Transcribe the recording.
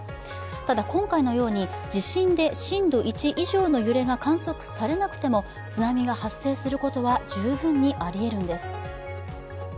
ただ、今回のように地震で震度１以上の揺れが観測されなくても津波が発生することは十分にありえるんです。